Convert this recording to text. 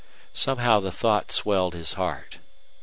Somehow the thought swelled his heart.